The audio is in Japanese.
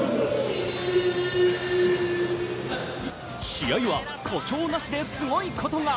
試合は誇張なしですごいことが。